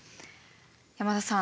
山田さん。